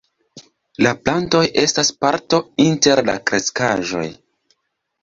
La plantoj estas parto inter la kreskaĵoj.